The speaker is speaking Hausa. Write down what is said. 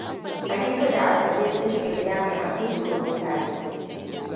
Habibu da Asabe sun shiga gida mai abin tsoro tare.